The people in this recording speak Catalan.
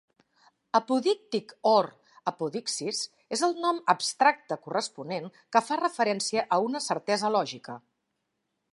Apodíctic or apodixis és el nom abstracte corresponent, que fa referència a una certesa lògica.